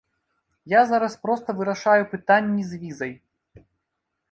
Я зараз проста вырашаю пытанні з візай.